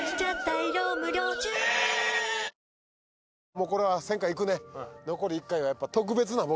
もうこれは１０００回行くね。